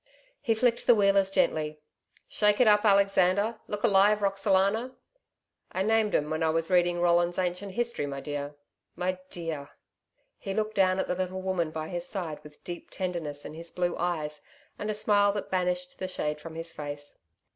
...' He flicked the wheelers gently. 'Shake it up, Alexander! Look alive, Roxalana.... I named 'em when I was reading ROLLIN'S ANCIENT HISTORY, my dear ... my dear!' He looked down at the little woman by his side with deep tenderness in his blue eyes and a smile that banished the shade from his face.